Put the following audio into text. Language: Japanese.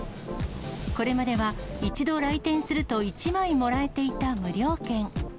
これまでは一度来店すると１枚もらえていた無料券。